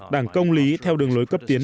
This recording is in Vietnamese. đảng công lý theo đường lối cấp tiến